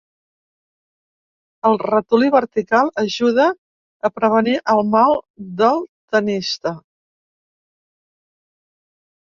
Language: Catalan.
El ratolí vertical ajuda a prevenir el mal del tennista.